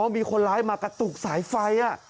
มีคนร้ายมากระตุกสายไฟ